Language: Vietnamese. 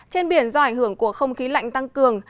trên biển do ảnh hưởng của không khí lạnh tăng cường